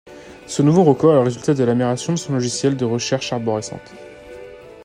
Ce nouveau record est le résultat de l'amélioration de son logiciel de recherche arborescente.